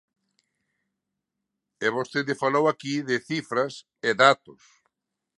E vostede falou aquí de cifras e datos.